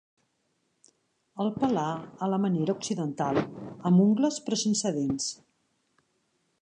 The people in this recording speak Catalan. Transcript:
El pelà a la manera occidental, amb ungles però sense dents.